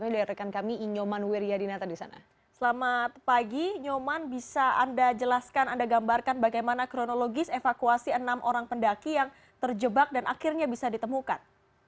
dimana kronologis evakuasi enam orang pendaki yang terjebak dan akhirnya bisa ditemukan